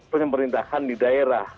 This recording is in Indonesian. pemerintahan di daerah